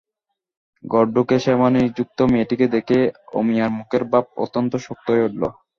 ঘর ঢুকেই সেবানিযুক্ত মেয়েটিকে দেখেই অমিয়ার মুখের ভাব অত্যন্ত শক্ত হয়ে উঠল।